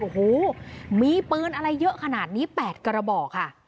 โอ้โหมีปืนอะไรเยอะขนาดนี้๘กระบอกค่ะ